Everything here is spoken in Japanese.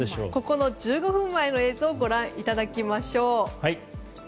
１５分前の映像をご覧いただきましょう。